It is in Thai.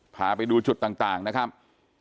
พาไปดูจุดต่างนะครับ